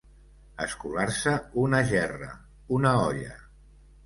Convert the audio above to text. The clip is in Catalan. Escolar-se una gerra, una olla.